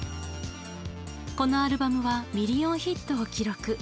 このアルバムはミリオンヒットを記録。